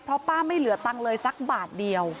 เพราะป้าไม่เหลือตังค์เลยสักบาทเดียว